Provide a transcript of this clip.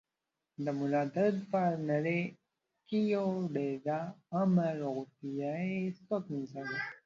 د ملا درد په نړۍ کې یوه ډېره عامه روغتیايي ستونزه ده.